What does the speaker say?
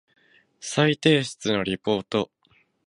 再提出のリポート